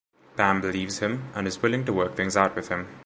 Pam believes him, and is willing to work things out with him.